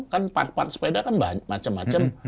kan part part sepeda kan macam macam